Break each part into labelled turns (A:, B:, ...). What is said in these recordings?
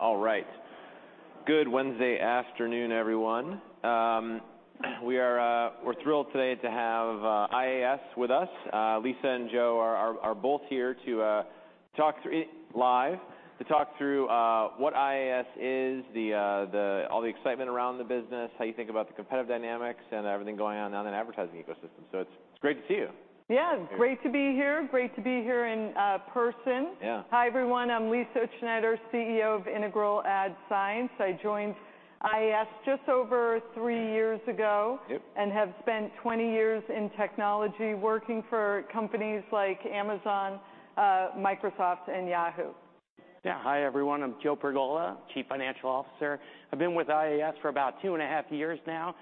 A: All right. Good Wednesday afternoon, everyone. We're thrilled today to have IAS with us. Lisa and Joe are both here to talk through what IAS is, all the excitement around the business, how you think about the competitive dynamics and everything going on in the advertising ecosystem. It's great to see you.
B: Yeah, it's great to be here. Great to be here in person.
A: Yeah.
B: Hi, everyone. I'm Lisa Utzschneider, CEO of Integral Ad Science. I joined IAS just over three years ago.
A: Yep
B: ...have spent 20 years in technology, working for companies like Amazon, Microsoft, and Yahoo.
C: Yeah. Hi, everyone. I'm Joe Pergola, Chief Financial Officer. I've been with IAS for about 2.5 years now,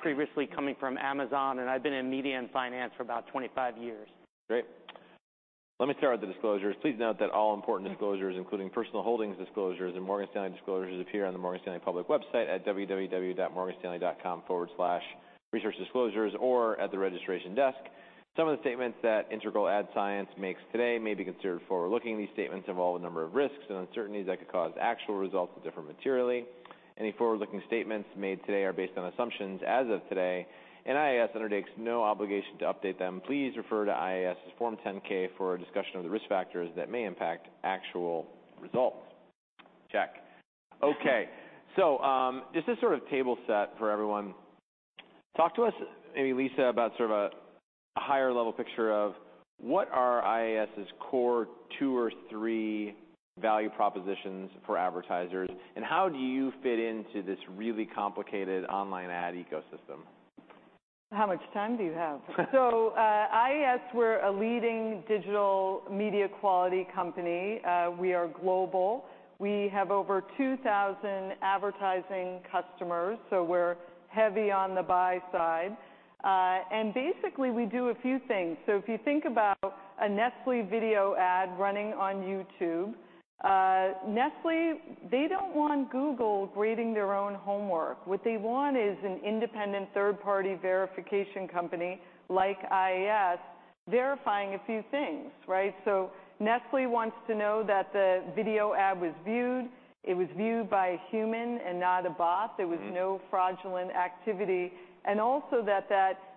C: previously coming from Amazon, and I've been in media and finance for about 25 years.
A: Great. Let me start with the disclosures. Please note that all important disclosures, including personal holdings disclosures and Morgan Stanley disclosures appear on the Morgan Stanley public website at www.morganstanley.com/resourcesdisclosures or at the registration desk. Some of the statements that Integral Ad Science makes today may be considered forward-looking. These statements involve a number of risks and uncertainties that could cause actual results to differ materially. Any forward-looking statements made today are based on assumptions as of today, and IAS undertakes no obligation to update them. Please refer to IAS's Form 10-K for a discussion of the risk factors that may impact actual results. Check. Okay. Just to sort of table set for everyone, talk to us, maybe Lisa, about sort of a higher level picture of what are IAS's core two or three value propositions for advertisers, and how do you fit into this really complicated online ad ecosystem?
B: How much time do you have? IAS, we're a leading digital media quality company. We are global. We have over 2,000 advertising customers, so we're heavy on the buy side. Basically, we do a few things. If you think about a Nestlé video ad running on YouTube, Nestlé, they don't want Google grading their own homework. What they want is an independent third-party verification company, like IAS, verifying a few things, right? Nestlé wants to know that the video ad was viewed, it was viewed by a human and not a bot-... there was no fraudulent activity, and also that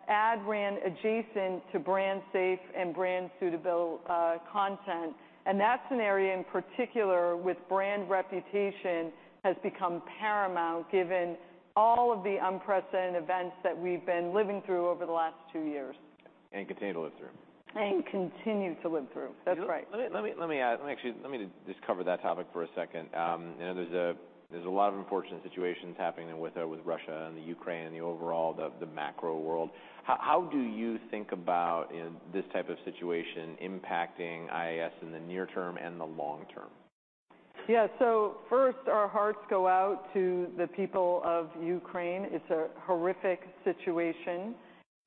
B: ad ran adjacent to brand safe and brand suitable content. That scenario in particular with brand reputation has become paramount given all of the unprecedented events that we've been living through over the last two years.
A: Continue to live through.
B: Continue to live through. That's right.
A: Let me add. Let me just cover that topic for a second. You know, there's a lot of unfortunate situations happening with Russia and the Ukraine and the overall macro world. How do you think about in this type of situation impacting IAS in the near term and the long term?
B: Yeah. First, our hearts go out to the people of Ukraine. It's a horrific situation.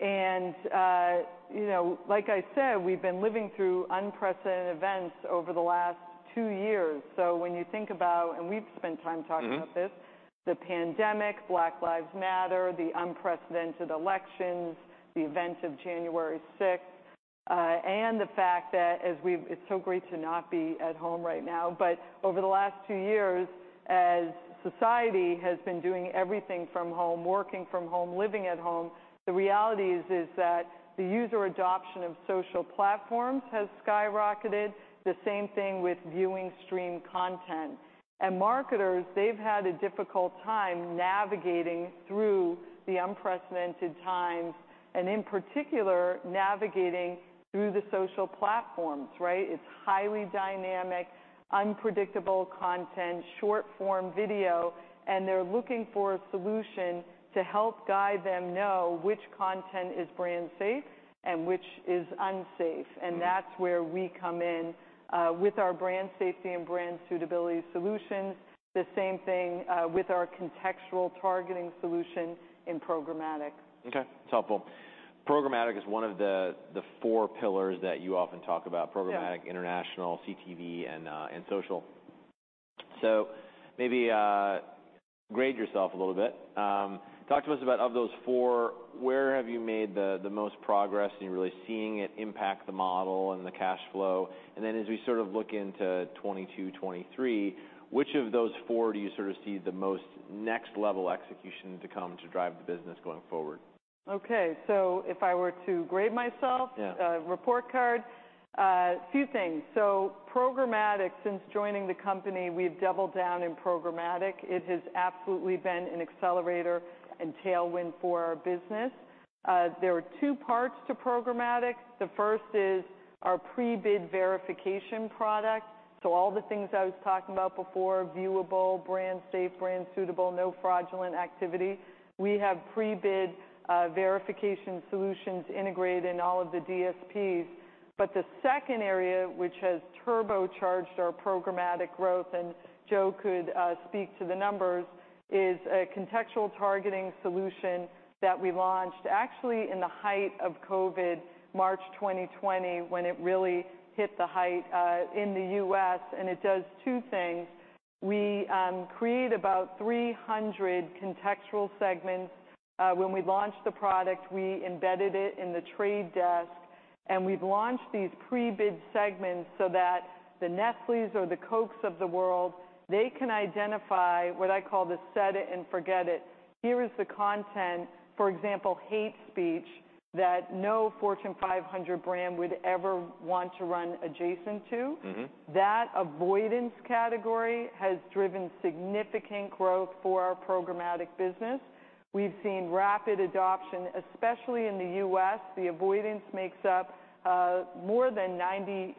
B: You know, like I said, we've been living through unprecedented events over the last two years. When you think about, and we've spent time talking about this. The pandemic, Black Lives Matter, the unprecedented elections, the events of January sixth, and the fact that it's so great to not be at home right now, but over the last two years, as society has been doing everything from home, working from home, living at home, the reality is that the user adoption of social platforms has skyrocketed. The same thing with viewing streaming content. Marketers, they've had a difficult time navigating through the unprecedented times, and in particular, navigating through the social platforms, right? It's highly dynamic, unpredictable content, short-form video, and they're looking for a solution to help guide them know which content is brand safe and which is unsafe. That's where we come in, with our brand safety and brand suitability solutions. The same thing, with our contextual targeting solution in programmatic.
A: Okay. It's helpful. Programmatic is one of the four pillars that you often talk about.
B: Yeah.
A: Programmatic, international, CTV, and social. Maybe grade yourself a little bit. Talk to us about out of those four, where have you made the most progress and you're really seeing it impact the model and the cash flow? Then as we sort of look into 2022, 2023, which of those four do you sort of see the most next-level execution to come to drive the business going forward?
B: Okay. If I were to grade myself.
A: Yeah
B: Report card, a few things. Programmatic, since joining the company, we've doubled down in programmatic. It has absolutely been an accelerator and tailwind for our business. There are two parts to programmatic. The first is our pre-bid verification product. All the things I was talking about before, viewable, brand safe, brand suitable, no fraudulent activity. We have pre-bid verification solutions integrated in all of the DSPs. The second area which has turbocharged our programmatic growth, and Joe could speak to the numbers, is a contextual targeting solution that we launched actually in the height of COVID, March 2020, when it really hit the height in the U.S., and it does two things. We create about 300 contextual segments. When we launched the product, we embedded it in The Trade Desk. We've launched these pre-bid segments so that the Nestlé or the Coke of the world, they can identify what I call the set it and forget it. Here is the content, for example, hate speech that no Fortune 500 brand would ever want to run adjacent to. That avoidance category has driven significant growth for our programmatic business. We've seen rapid adoption, especially in the U.S. The avoidance makes up more than 90%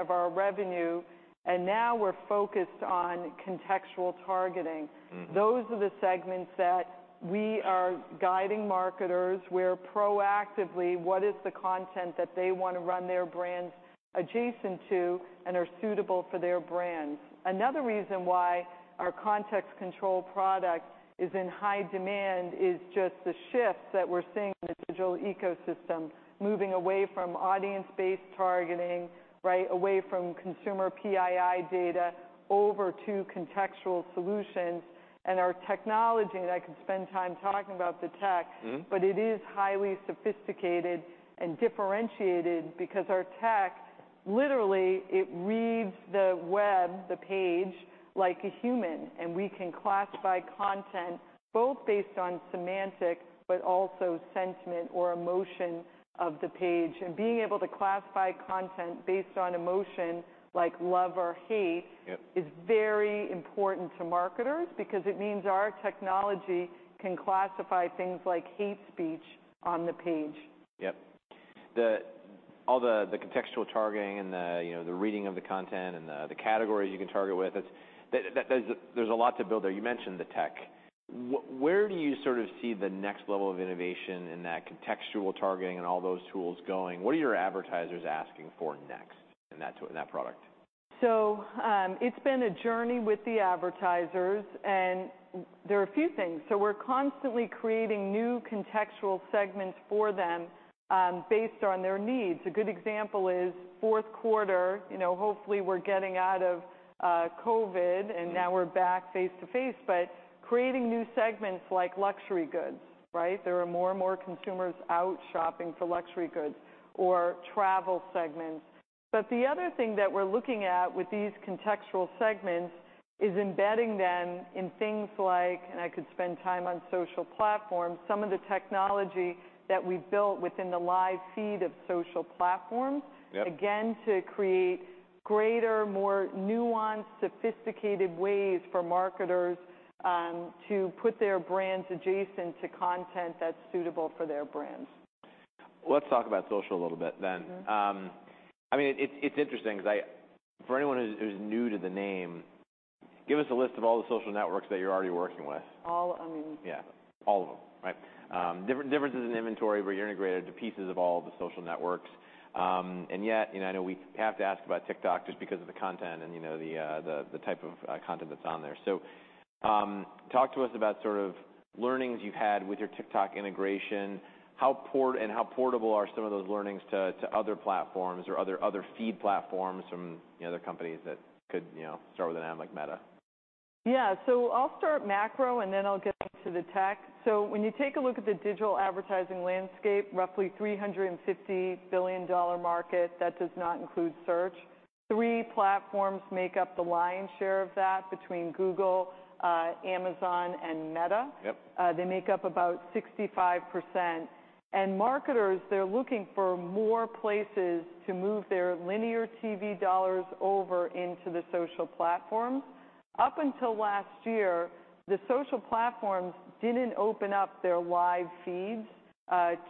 B: of our revenue, and now we're focused on contextual targeting. Those are the segments that we are guiding marketers. We're proactively identifying what is the content that they wanna run their brands adjacent to and are suitable for their brands. Another reason why our Context Control product is in high demand is just the shift that we're seeing in the digital ecosystem, moving away from audience-based targeting, right, away from consumer PII data over to contextual solutions. Our technology, I can spend time talking about the tech.... it is highly sophisticated and differentiated because our tech, literally it reads the web, the page, like a human, and we can classify content both based on semantic, but also sentiment or emotion of the page. Being able to classify content based on emotion, like love or hate-
A: Yep
B: Is very important to marketers because it means our technology can classify things like hate speech on the page.
A: Yep. The contextual targeting and, you know, the reading of the content and the categories you can target with, that there's a lot to build there. You mentioned the tech. Where do you sort of see the next level of innovation in that contextual targeting and all those tools going? What are your advertisers asking for next in that tool, in that product?
B: It's been a journey with the advertisers, and there are a few things. We're constantly creating new contextual segments for them, based on their needs. A good example is fourth quarter. You know, hopefully we're getting out of COVID- Now we're back face-to-face, but creating new segments like luxury goods, right? There are more and more consumers out shopping for luxury goods or travel segments. The other thing that we're looking at with these contextual segments is embedding them in things like, and I could spend time on social platforms, some of the technology that we've built within the live feed of social platforms.
A: Yep...
B: again, to create greater, more nuanced, sophisticated ways for marketers to put their brands adjacent to content that's suitable for their brands.
A: Let's talk about social a little bit then. I mean, it's interesting 'cause for anyone who's new to the name, give us a list of all the social networks that you're already working with.
B: All, I mean-
A: Yeah, all of them, right. Different differences in inventory, but you're integrated to pieces of all the social networks. Yet, you know, I know we have to ask about TikTok just because of the content and, you know, the type of content that's on there. Talk to us about sort of learnings you've had with your TikTok integration. How portable are some of those learnings to other platforms or other feed platforms from other companies that could start with an M like Meta.
B: Yeah. I'll start macro, and then I'll get into the tech. When you take a look at the digital advertising landscape, roughly $350 billion market, that does not include search. Three platforms make up the lion's share of that between Google, Amazon, and Meta.
A: Yep.
B: They make up about 65%. Marketers, they're looking for more places to move their linear TV dollars over into the social platforms. Up until last year, the social platforms didn't open up their live feeds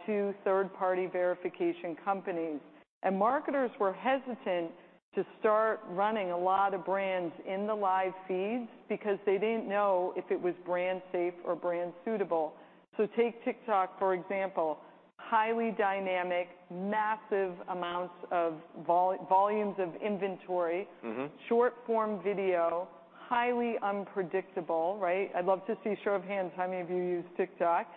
B: to third-party verification companies, and marketers were hesitant to start running a lot of brands in the live feeds because they didn't know if it was brand safe or brand suitable. Take TikTok, for example. Highly dynamic, massive amounts of volumes of inventory. Short-form video. Highly unpredictable, right? I'd love to see a show of hands, how many of you use TikTok?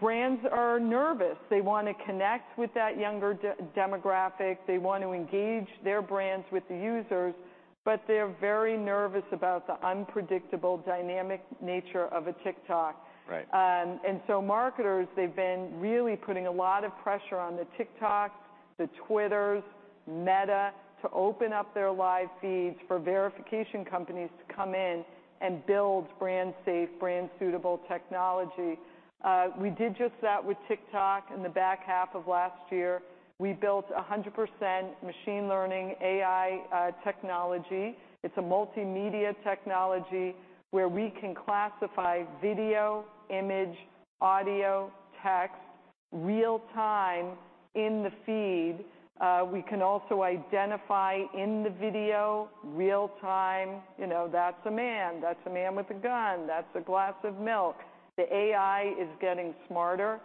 B: Brands are nervous. They wanna connect with that younger demographic. They want to engage their brands with the users, but they're very nervous about the unpredictable dynamic nature of a TikTok.
A: Right.
B: Marketers, they've been really putting a lot of pressure on TikTok, Twitter, Meta, to open up their live feeds for verification companies to come in and build brand safe, brand suitable technology. We did just that with TikTok in the back half of last year. We built 100% machine learning AI technology. It's a multimedia technology where we can classify video, image, audio, text, real time in the feed. We can also identify in the video real time, you know, that's a man with a gun, that's a glass of milk. The AI is getting smarter.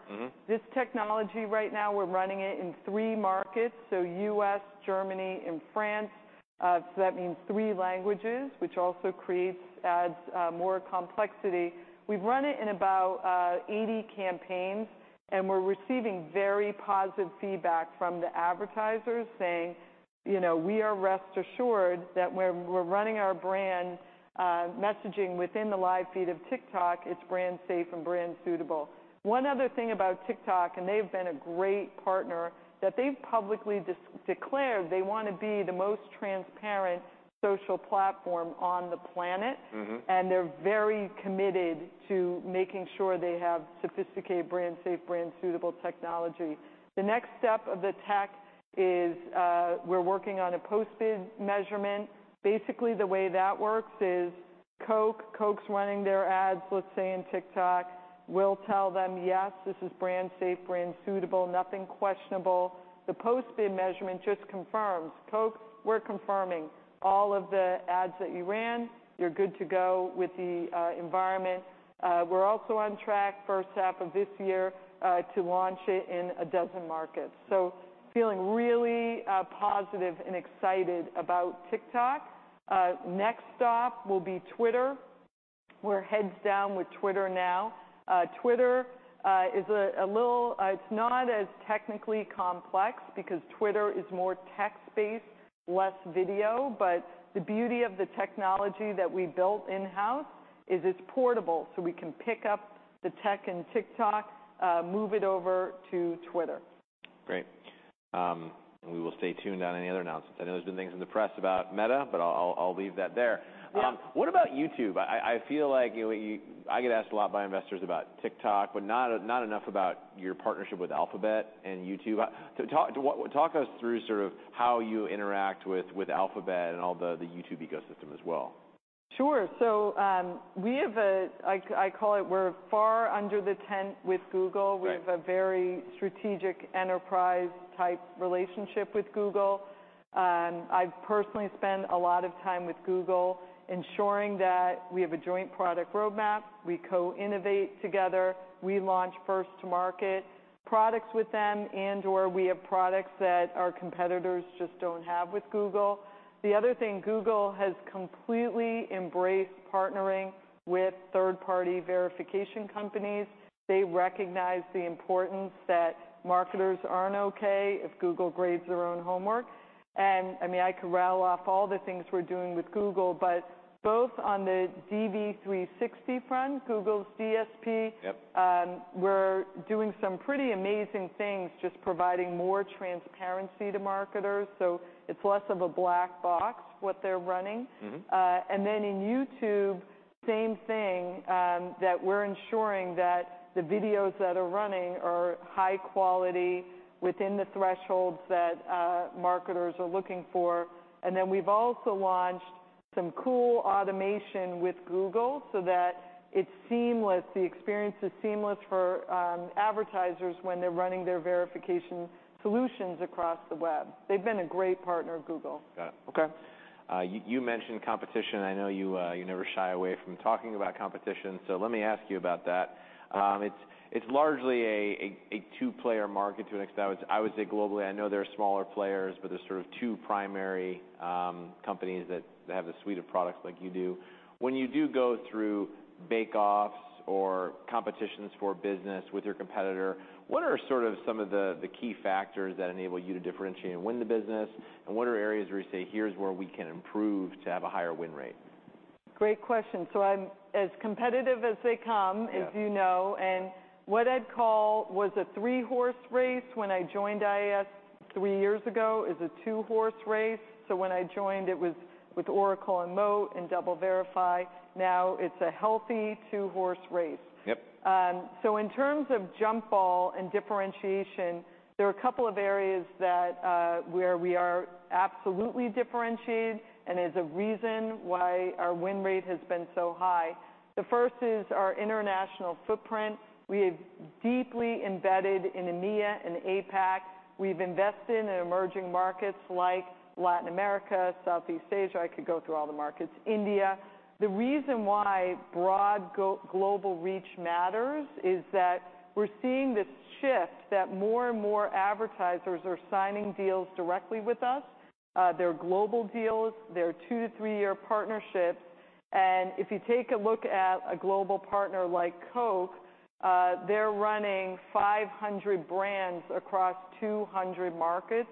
B: This technology right now, we're running it in three markets, so U.S., Germany, and France. That means three languages, which also adds more complexity. We've run it in about 80 campaigns, and we're receiving very positive feedback from the advertisers saying, you know, "We are rest assured that when we're running our brand messaging within the live feed of TikTok, it's brand safe and brand suitable." One other thing about TikTok, they've been a great partner, that they've publicly declared they wanna be the most transparent social platform on the planet. They're very committed to making sure they have sophisticated brand safety, brand suitability technology. The next step of the tech is, we're working on a post-bid measurement. Basically, the way that works is, Coke's running their ads, let's say, in TikTok. We'll tell them, "Yes, this is brand safety, brand suitability, nothing questionable." The post-bid measurement just confirms, "Coke, we're confirming all of the ads that you ran, you're good to go with the environment." We're also on track first half of this year to launch it in a dozen markets. Feeling really positive and excited about TikTok. Next stop will be Twitter. We're heads down with Twitter now. Twitter is a little... It's not as technically complex because Twitter is more text-based, less video, but the beauty of the technology that we built in-house is it's portable, so we can pick up the tech in TikTok, move it over to Twitter.
A: Great. We will stay tuned on any other announcements. I know there's been things in the press about Meta, but I'll leave that there.
B: Yeah.
A: What about YouTube? I feel like, you know, I get asked a lot by investors about TikTok, but not enough about your partnership with Alphabet and YouTube. So walk us through sort of how you interact with Alphabet and all the YouTube ecosystem as well.
B: Sure. I call it we're far under the tent with Google.
A: Right.
B: We have a very strategic enterprise-type relationship with Google. I personally spend a lot of time with Google ensuring that we have a joint product roadmap, we co-innovate together, we launch first-to-market products with them, and/or we have products that our competitors just don't have with Google. The other thing, Google has completely embraced partnering with third-party verification companies. They recognize the importance that marketers aren't okay if Google grades their own homework. I mean, I could rattle off all the things we're doing with Google, but both on the DV360 front, Google's DSP-
A: Yep.
B: We're doing some pretty amazing things just providing more transparency to marketers, so it's less of a black box what they're running. in YouTube, same thing, that we're ensuring that the videos that are running are high quality within the thresholds that marketers are looking for. We've also launched some cool automation with Google so that it's seamless, the experience is seamless for advertisers when they're running their verification solutions across the web. They've been a great partner, Google.
A: Got it. Okay. You mentioned competition. I know you never shy away from talking about competition, so let me ask you about that.
B: Yeah.
A: It's largely a two-player market to an extent, I would say globally. I know there are smaller players, but there's sort of two primary companies that have a suite of products like you do. When you do go through bake offs or competitions for business with your competitor, what are sort of some of the key factors that enable you to differentiate and win the business? What are areas where you say, "Here's where we can improve to have a higher win rate?
B: Great question. I'm as competitive as they come.
A: Yeah.
B: As you know, and what I'd call was a three-horse race when I joined IAS three years ago is a two-horse race. When I joined, it was with Oracle and Moat and DoubleVerify. Now it's a healthy two-horse race.
A: Yep.
B: In terms of jump ball and differentiation, there are a couple of areas that where we are absolutely differentiated and is a reason why our win rate has been so high. The first is our international footprint. We have deeply embedded in EMEA and APAC. We've invested in emerging markets like Latin America, Southeast Asia, I could go through all the markets, India. The reason why broad global reach matters is that we're seeing this shift that more and more advertisers are signing deals directly with us. They're global deals. They're 2- to 3-year partnerships. If you take a look at a global partner like Coke, they're running 500 brands across 200 markets.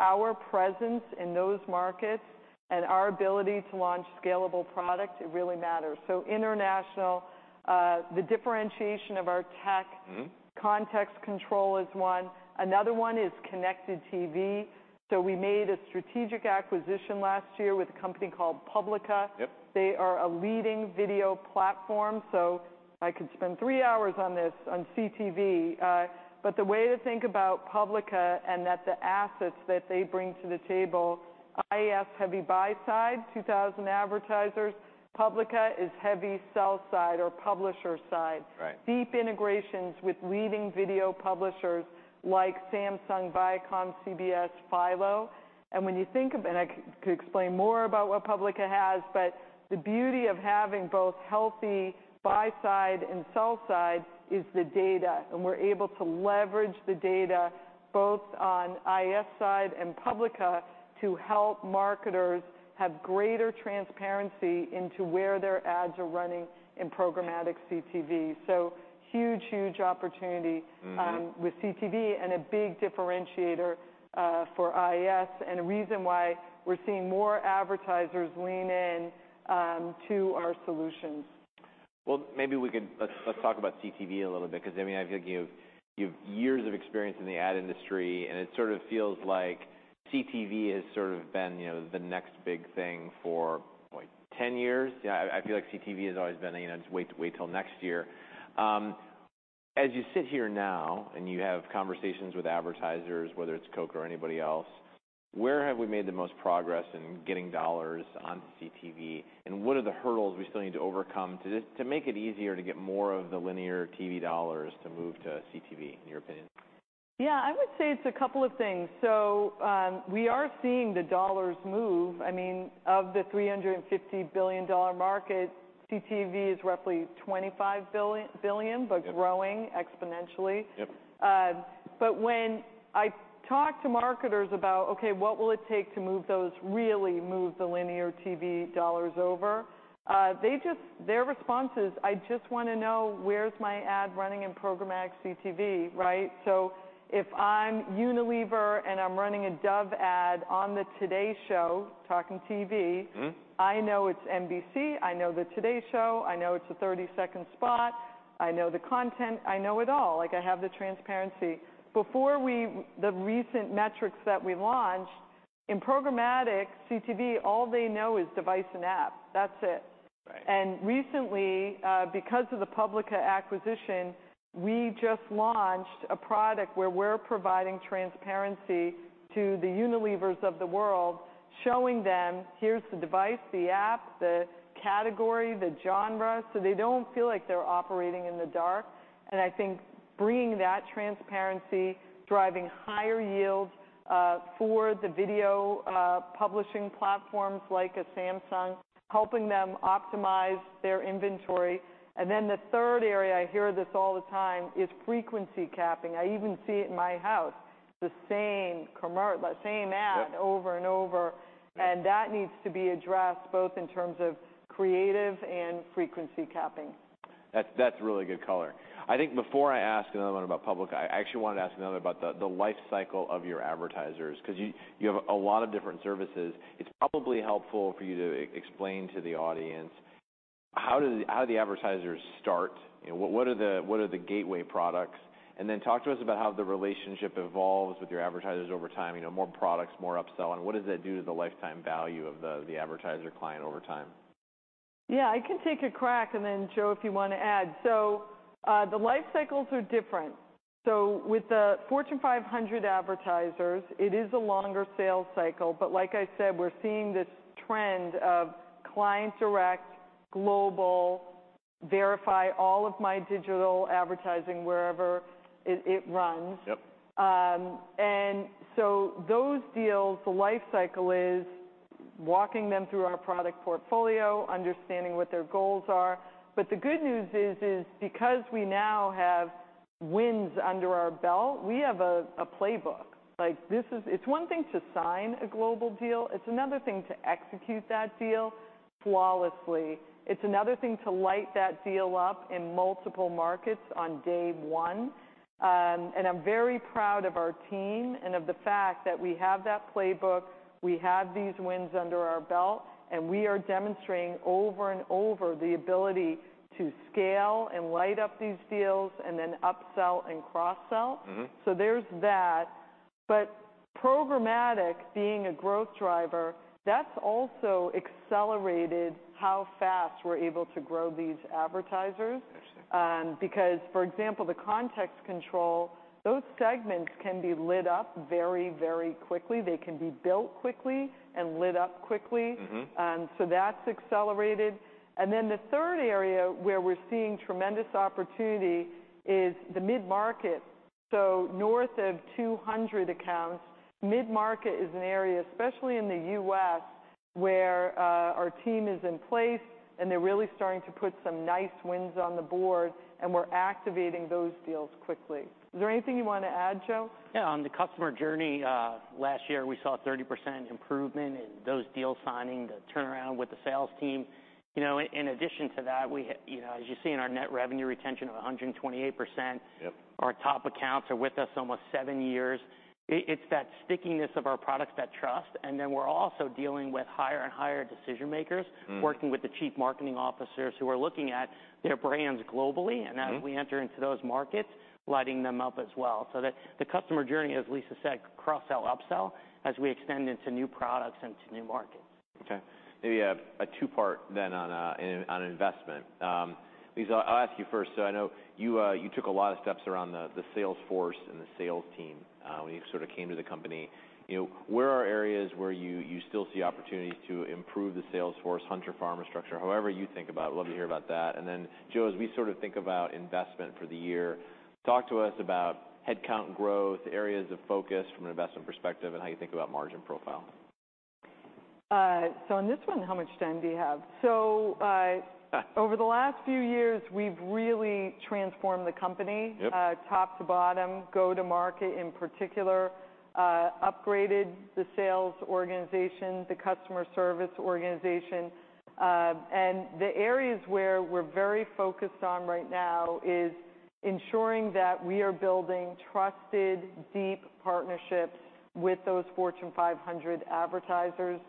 B: Our presence in those markets and our ability to launch scalable products, it really matters. International, the differentiation of our tech- Context Control is one. Another one is connected TV. We made a strategic acquisition last year with a company called Publica.
A: Yep.
B: They are a leading video platform, so I could spend three hours on this, on CTV. The way to think about Publica and that the assets that they bring to the table, IAS, heavy buy side, 2,000 advertisers. Publica is heavy sell side or publisher side.
A: Right.
B: Deep integrations with leading video publishers like Samsung, Viacom, CBS, Philo. I could explain more about what Publica has, but the beauty of having both healthy buy side and sell side is the data. We're able to leverage the data both on IAS side and Publica to help marketers have greater transparency into where their ads are running in programmatic CTV. Huge opportunity. With CTV and a big differentiator for IAS and a reason why we're seeing more advertisers lean in to our solutions.
A: Let's talk about CTV a little bit because, I mean, I feel like you've years of experience in the ad industry and it sort of feels like CTV has sort of been, you know, the next big thing for, what, 10 years? Yeah, I feel like CTV has always been, you know, just wait till next year. As you sit here now, and you have conversations with advertisers, whether it's Coke or anybody else, where have we made the most progress in getting dollars on CTV? What are the hurdles we still need to overcome to make it easier to get more of the linear TV dollars to move to CTV, in your opinion?
B: Yeah, I would say it's a couple of things. We are seeing the dollars move. I mean, of the $350 billion market, CTV is roughly $25 billion-
A: Yep
B: Growing exponentially.
A: Yep.
B: When I talk to marketers about, okay, what will it take to really move the linear TV dollars over, their response is, "I just wanna know where's my ad running in programmatic CTV," right? If I'm Unilever and I'm running a Dove ad on the Today Show, talking TV-... I know it's NBC, I know the Today Show, I know it's a 30-second spot, I know the content, I know it all. Like, I have the transparency. Before the recent metrics that we launched, in programmatic CTV, all they know is device and app. That's it.
A: Right.
B: Recently, because of the Publica acquisition, we just launched a product where we're providing transparency to the Unilevers of the world, showing them, here's the device, the app, the category, the genre, so they don't feel like they're operating in the dark. I think bringing that transparency, driving higher yields, for the video publishing platforms like Samsung, helping them optimize their inventory. Then the third area, I hear this all the time, is frequency capping. I even see it in my house. The same ad.
A: Yep...
B: over and over. That needs to be addressed, both in terms of creative and frequency capping.
A: That's really good color. I think before I ask another one about Publica, I actually wanted to ask another about the life cycle of your advertisers, 'cause you have a lot of different services. It's probably helpful for you to explain to the audience how the advertisers start. You know, what are the gateway products? Then talk to us about how the relationship evolves with your advertisers over time, you know, more products, more upsell, and what does that do to the lifetime value of the advertiser client over time?
B: Yeah. I can take a crack, and then Joe, if you wanna add. The life cycles are different. With the Fortune 500 advertisers, it is a longer sales cycle, but like I said, we're seeing this trend of client direct, global, verify all of my digital advertising wherever it runs.
A: Yep.
B: Those deals, the life cycle is walking them through our product portfolio, understanding what their goals are. The good news is because we now have wins under our belt, we have a playbook. Like, this is. It's one thing to sign a global deal, it's another thing to execute that deal flawlessly. It's another thing to light that deal up in multiple markets on day one. I'm very proud of our team and of the fact that we have that playbook, we have these wins under our belt, and we are demonstrating over and over the ability to scale and light up these deals, and then upsell and cross-sell. There's that. Programmatic being a growth driver, that's also accelerated how fast we're able to grow these advertisers.
A: Interesting.
B: Because, for example, the Context Control, those segments can be lit up very, very quickly. They can be built quickly and lit up quickly. That's accelerated. The third area where we're seeing tremendous opportunity is the mid-market. North of 200 accounts, mid-market is an area, especially in the U.S., where our team is in place, and they're really starting to put some nice wins on the board, and we're activating those deals quickly. Is there anything you wanna add, Joe?
C: Yeah. On the customer journey, last year we saw a 30% improvement in those deal signing, the turnaround with the sales team. You know, in addition to that, we, you know, as you see in our net revenue retention of 128%.
A: Yep.
C: Our top accounts are with us almost seven years. It's that stickiness of our products, that trust, and then we're also dealing with higher and higher decision makers. working with the chief marketing officers who are looking at their brands globally.... and as we enter into those markets, lighting them up as well. The customer journey, as Lisa said, cross-sell, upsell, as we extend into new products and to new markets.
A: Okay. Maybe a two-part then on investment. Lisa, I'll ask you first. I know you took a lot of steps around the sales force and the sales team when you sort of came to the company. You know, what are areas where you still see opportunities to improve the sales force, hunter, farmer structure, however you think about it. Love to hear about that. Joe, as we sort of think about investment for the year, talk to us about headcount growth, areas of focus from an investment perspective, and how you think about margin profile.
B: So on this one, how much time do you have? Over the last few years, we've really transformed the company.
A: Yep
B: Top to bottom, go-to-market in particular, upgraded the sales organization, the customer service organization. The areas where we're very focused on right now is ensuring that we are building trusted, deep partnerships with those Fortune 500 advertisers,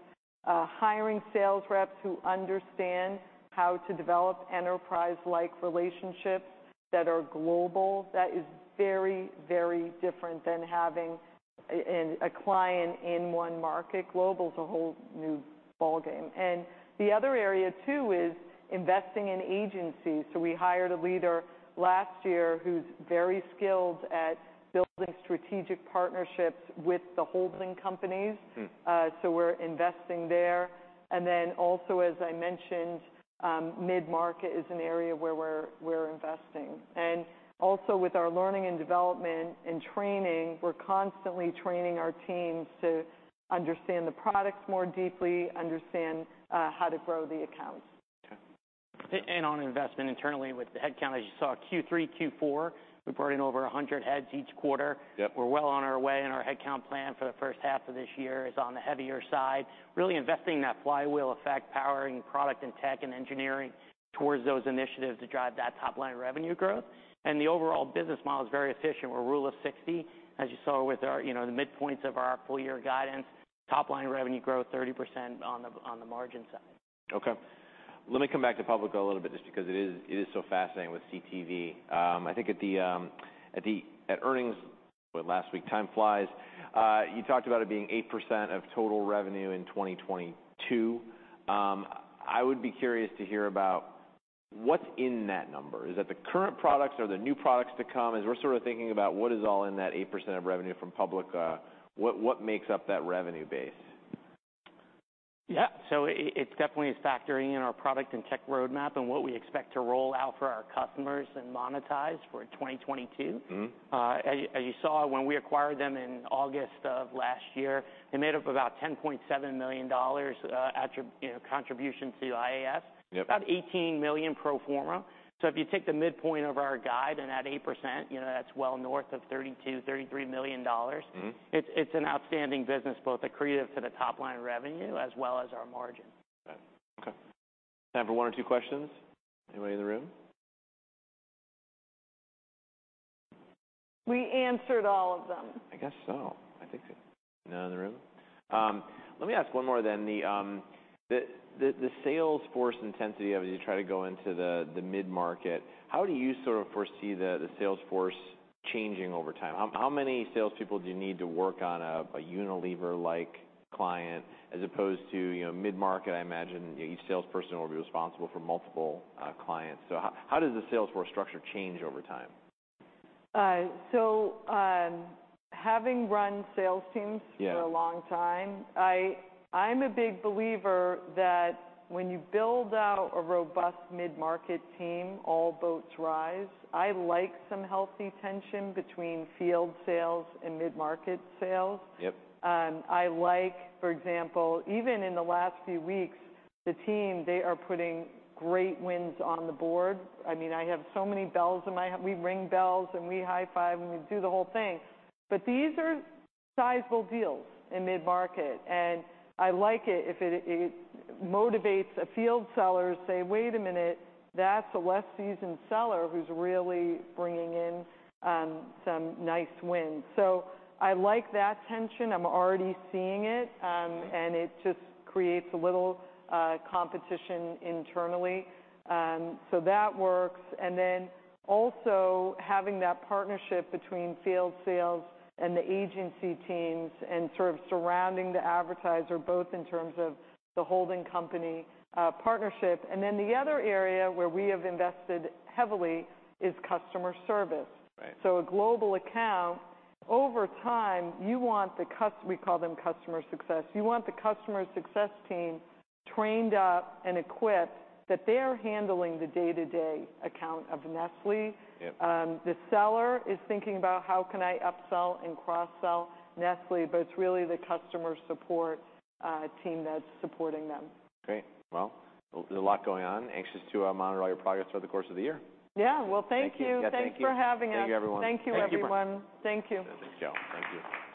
B: hiring sales reps who understand how to develop enterprise-like relationships that are global. That is very, very different than having a client in one market. Global is a whole new ballgame. The other area, too, is investing in agencies. We hired a leader last year who's very skilled at building strategic partnerships with the holding companies. We're investing there. As I mentioned, mid-market is an area where we're investing. With our learning and development and training, we're constantly training our teams to understand the products more deeply, understand how to grow the accounts.
A: Okay.
C: On investment internally with the head count, as you saw Q3, Q4, we brought in over 100 heads each quarter.
A: Yep.
C: We're well on our way, and our head count plan for the first half of this year is on the heavier side, really investing in that flywheel effect, powering product and tech and engineering towards those initiatives to drive that top-line revenue growth. The overall business model is very efficient. We're Rule of 60. As you saw with our, you know, the midpoints of our full year guidance, top line revenue growth, 30% on the margin side.
A: Okay. Let me come back to Publica a little bit just because it is so fascinating with CTV. I think at earnings last week, time flies, you talked about it being 8% of total revenue in 2022. I would be curious to hear about what's in that number. Is that the current products? Are there new products to come? As we're sort of thinking about what is all in that 8% of revenue from Publica, what makes up that revenue base?
C: Yeah. It's definitely factoring in our product and tech roadmap and what we expect to roll out for our customers and monetize for 2022. As you saw, when we acquired them in August of last year, they made up about $10.7 million, you know, contribution to IAS.
A: Yep.
C: About $18 million pro forma. If you take the midpoint of our guide and add 8%, you know, that's well north of $32 million-$33 million. It's an outstanding business, both accretive to the top line revenue as well as our margin.
A: Okay. Time for one or two questions. Anybody in the room?
B: We answered all of them.
A: I guess so. I think so. None in the room? Let me ask one more then. The sales force intensity of it as you try to go into the mid-market, how do you sort of foresee the sales force changing over time? How many sales people do you need to work on a Unilever-like client as opposed to, you know, mid-market? I imagine each salesperson will be responsible for multiple clients. How does the sales force structure change over time?
B: Having run sales teams.
A: Yeah...
B: for a long time, I'm a big believer that when you build out a robust mid-market team, all boats rise. I like some healthy tension between field sales and mid-market sales.
A: Yep.
B: I like, for example, even in the last few weeks, the team, they are putting great wins on the board. I mean, we ring bells, and we high five, and we do the whole thing. These are sizable deals in mid-market, and I like it if it motivates a field seller to say, "Wait a minute, that's a less seasoned seller who's really bringing in some nice wins." I like that tension. I'm already seeing it, and it just creates a little competition internally. That works. Also having that partnership between field sales and the agency teams and sort of surrounding the advertiser, both in terms of the holding company partnership. The other area where we have invested heavily is customer service.
A: Right.
B: A global account, over time, you want the customer success team trained up and equipped that they are handling the day-to-day account of Nestlé.
A: Yep.
B: The seller is thinking about how can I upsell and cross-sell Nestlé, but it's really the customer support team that's supporting them.
A: Great. Well, there's a lot going on. Anxious to monitor all your progress over the course of the year.
B: Yeah. Well, thank you.
A: Thank you. Yeah, thank you.
B: Thanks for having us.
A: Thank you, everyone.
B: Thank you, everyone.
A: Thank you.
B: Thank you.
A: Thanks, y'all. Thank you.